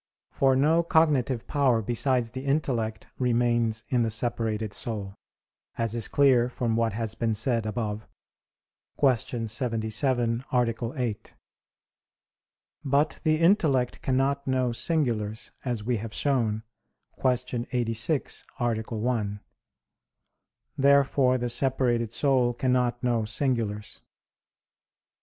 For no cognitive power besides the intellect remains in the separated soul, as is clear from what has been said above (Q. 77, A. 8). But the intellect cannot know singulars, as we have shown (Q. 86, A. 1). Therefore the separated soul cannot know singulars.